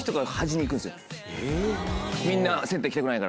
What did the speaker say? みんな。